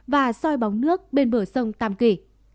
và soi bóng nước bên bờ sông tam kỳ